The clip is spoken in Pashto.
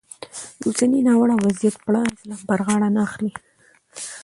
د اوسني ناوړه وضیعت پړه اسلام پر غاړه نه اخلي.